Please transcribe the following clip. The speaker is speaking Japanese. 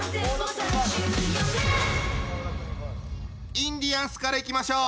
インディアンスからいきましょう！